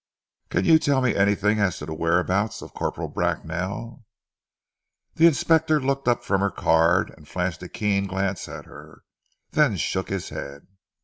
"Can you tell me anything as to the whereabouts of Corporal Bracknell?" The inspector looked up from her card, and flashed a keen glance at her, then shook his head.